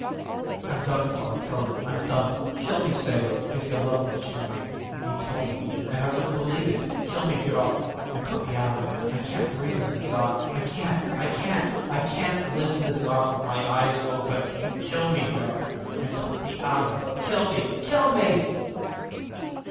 I'm done for, I tell you! I'm done! Kill me, Sadie; if you love me, kill me! He told me and I wouldn't believe it! Kill me, girl, and put me out of it! I can't breathe in the dark! I can't! I can't! I can't live in the dark with my eyes open! Kill me, girl, and put me out of it kill me! Kill me!"